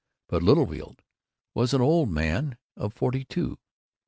But Littlefield was old for a man of forty two.